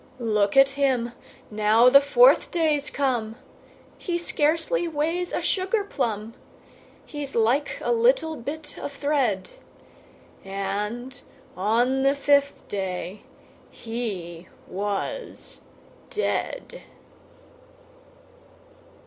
Look at him, now the fourth day's come! He scarcely weighs a sugar plum; He's like a little bit of thread, And, on the fifth day, he was dead!